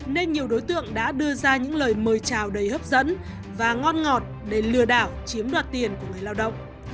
nên nhiều đối tượng đã đưa ra những lời mời chào đầy hấp dẫn và ngon ngọt để lừa đảo chiếm đoạt tiền của người lao động